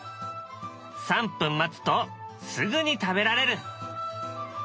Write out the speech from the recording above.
３分待つとすぐに食べられる。